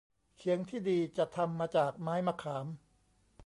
เขียงที่ดี จะทำมาจากไม้มะขาม